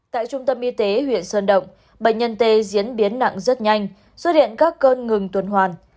tại trung tâm y tế huyện sơn động bệnh nhân t diễn biến nặng rất nhanh xuất hiện các cơn ngừng tuần hoàn